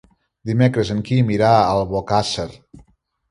Dimecres en Quim irà a Albocàsser.